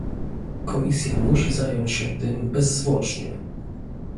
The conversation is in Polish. Komisja musi zająć się tym bezzwłocznie